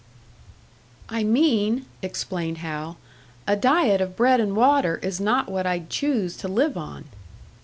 "I mean," explained Hal, "a diet of bread and water is not what I'd choose to live on."